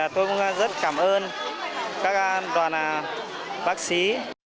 tôi cũng rất cảm ơn các đoàn bác sĩ